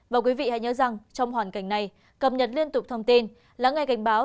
và quý vị hãy nhớ rằng trong hoàn cảnh này cập nhật liên tục thông tin lắng nghe cảnh báo